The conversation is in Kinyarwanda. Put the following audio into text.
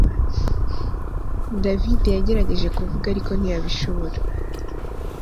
David yagerageje kuvuga ariko ntiyabishobora